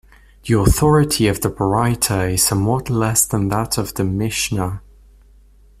The authority of the Baraita is somewhat less than that of the Mishnah.